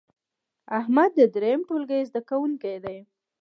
احمد د دریم ټولګې زده کوونکی دی.